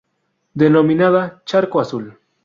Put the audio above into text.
Denominada Charco Azul.